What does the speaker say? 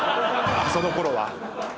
そのころは？